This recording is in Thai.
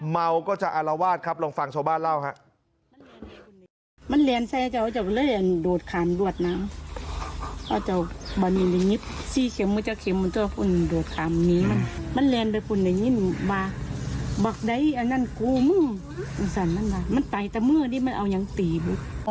เมาก็จะอารวาสครับลองฟังชาวบ้านเล่าครับ